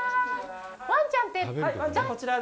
わんちゃんって。